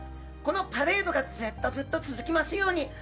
このパレードが、ずっとずっと続きますように。